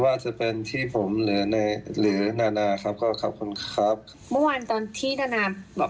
เขาก็เหมือนยังกัดตัวด้วยนะคะ